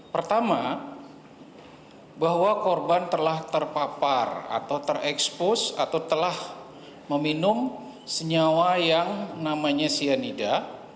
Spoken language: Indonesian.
pertama bahwa korban telah terpapar atau terekspos atau telah meminum senyawa yang namanya cyanida